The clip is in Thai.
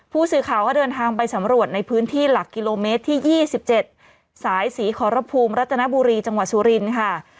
ผู้สื่อข่าวก็เดินทางไปสำรวจในพื้นที่หลักกิโลเมตรที่๒๗สายศรีขอรภูมิรัตนบุรีจังหวัดสุรินค่ะ